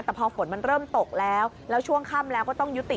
แต่พอฝนมันเริ่มตกแล้วแล้วช่วงค่ำแล้วก็ต้องยุติ